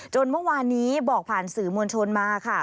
เมื่อวานนี้บอกผ่านสื่อมวลชนมาค่ะ